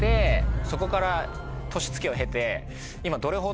そこから年月を経て今。